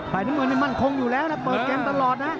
น้ำเงินนี่มั่นคงอยู่แล้วนะเปิดเกมตลอดนะ